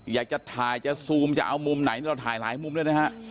อยากจะถ่ายจะซูมจะเอามุมไหนเราถ่ายหลายมุมด้วยนะฮะ